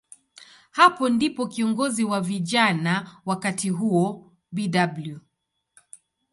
Hapo ndipo kiongozi wa vijana wakati huo, Bw.